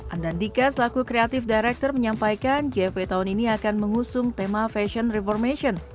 andantika selaku kreatif director menyampaikan gfw tahun ini akan mengusung tema fashion reformation